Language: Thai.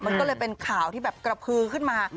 มันก็เลยเป็นข่าวที่แบบกระพือขึ้นมา